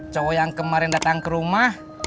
cowok yang kemarin datang ke rumah